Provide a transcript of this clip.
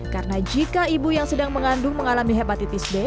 karena jika ibu yang sedang mengandung mengalami hepatitis b